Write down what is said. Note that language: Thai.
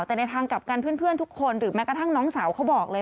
แต่ในทางกลับกันเพื่อนทุกคนหรือแม้กระทั่งน้องสาวเขาบอกเลย